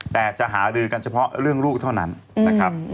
แต่จะหารือกันเฉพาะเรื่องลูกเท่านั้นนะครับ